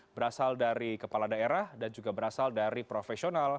berasal dari kepala presiden dan berasal dari ketua umum partai politik